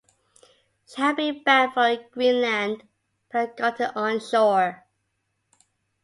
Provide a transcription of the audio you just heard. She had been bound for Greenland but had gotten on shore.